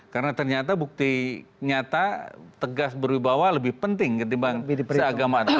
karena ternyata bukti nyata tegas berwibawa lebih penting ketimbang seagama atas ini